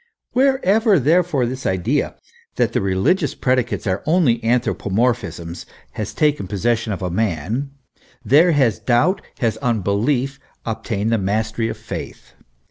Wherever, therefore, this idea, that the religious predicates are only anthropomorphisms, has taken possession of a man, there has doubt, has unbelief obtained the mastery of faith.